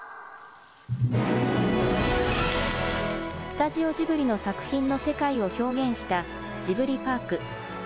スタジオジブリの作品の世界を表現したジブリパーク。